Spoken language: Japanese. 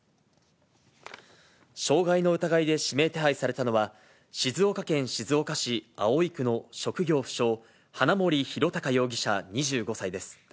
傷害の疑いで指名手配されたのは、静岡県静岡市葵区の職業不詳、花森弘卓容疑者２５歳です。